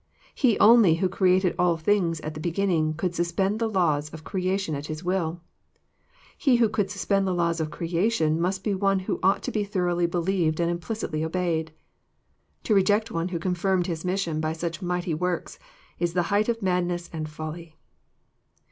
He only who created all things at the beginning could suspend the laws of crea tion at His will. He who could suspend the laws of crea tion must be One who ought to be thoroughly believed and implicitly obeyed. To reject One who confirmed His mis sion by such mighty works is the height of madness and folly.